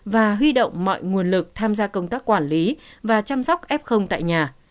và huy động mọi nguồn lực tham gia công tác quản lý và chăm sóc f tại nhà